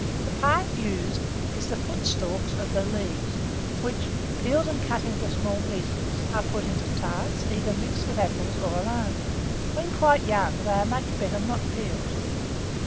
The part used is the footstalks of the leaves, which, peeled and cut into small pieces, are put into tarts, either mixed with apples or alone. When quite young, they are much better not peeled.